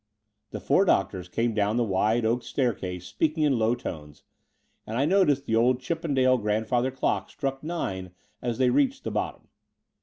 The four doctors came down the wide oak stair case, speaking in low tones ; and I noticed the old Chippendale grandfather clock struck nine as they reached the bottom.